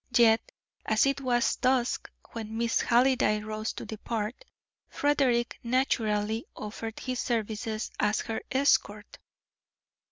Yet as it was dusk when Miss Halliday rose to depart, Frederick naturally offered his services as her escort.